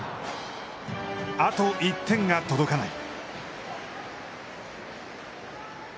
あと１点が届かない。